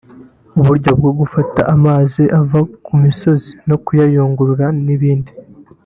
uburyo bwo gufata amazi ava ku misozi no kuyayungurura n’ibindi